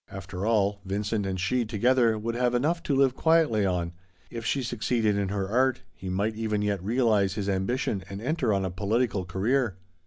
After all, Vincent and she together would have enough to live quietly on ; if she succeeded in her art, he might even yet realize his ambition and enter on a political career.